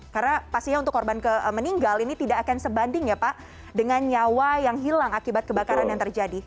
karena pastinya untuk korban meninggal ini tidak akan sebanding ya pak dengan nyawa yang hilang akibat kebakaran yang terjadi